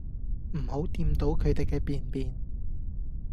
唔好掂到佢哋嘅便便